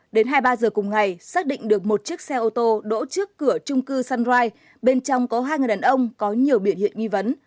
đến hai mươi ba giờ cùng ngày xác định được một chiếc xe ô tô đỗ trước cửa trung cư sunrise bên trong có hai người đàn ông có nhiều biểu hiện nghi vấn